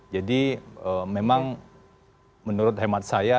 jadi memang menurut hemat saya